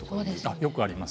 よくあります。